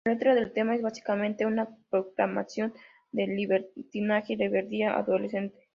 La letra del tema es básicamente una proclamación de libertinaje y rebeldía adolescente.